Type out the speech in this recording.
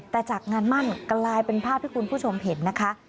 แต่จากงานมั่นกลายเป็นภาพที่คุณผู้ชมเห็นนะคะ